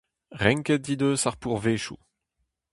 Renket he deus ar pourvezioù.